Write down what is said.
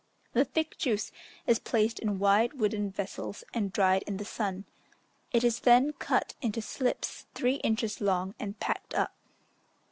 The thick juice is placed in wide wooden vessels, and dried in the sun; it is then cut into slips three inches long and packed up.